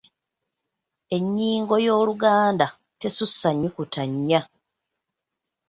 Ennyingo y’Oluganda tesussa nnyukuta nnya.